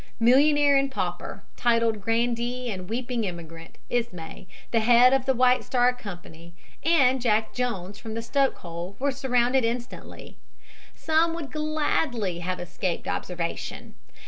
Millionaire and pauper, titled grandee and weeping immigrant, Ismay, the head of the White Star Company, and Jack Jones from the stoke hole were surrounded instantly. Some would gladly have escaped observation.